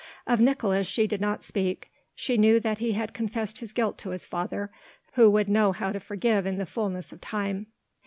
Of Nicolaes she did not speak; she knew that he had confessed his guilt to his father, who would know how to forgive in the fullness of time.